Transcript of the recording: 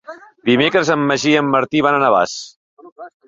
Dimecres en Magí i en Martí van a Navàs.